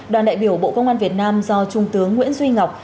đoàn đại biểu bộ công an việt nam do trung tướng nguyễn duy ngọc